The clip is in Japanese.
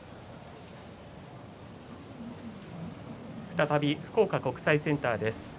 再び福岡国際センターです。